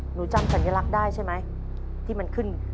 หนูจำสัญลักษณ์ได้ใช่ไหมที่มันขึ้น